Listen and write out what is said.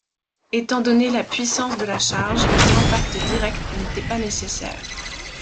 Étant donné la puissance de la charge, un impact direct n'était pas nécessaire.